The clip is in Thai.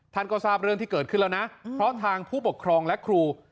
ท่านก็ทราบเรื่องที่เกิดขึ้นแล้วนะเพราะทางผู้ปกครองและครู